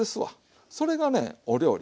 それがねお料理。